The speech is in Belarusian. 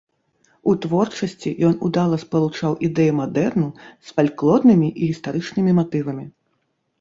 У творчасці ён удала спалучаў ідэі мадэрну з фальклорнымі і гістарычнымі матывамі.